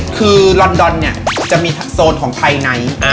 คือลอนดอนเนี่ยจะมีโซนของไทยไนท์